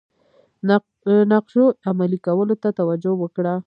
نقشو عملي کولو ته توجه وکړه.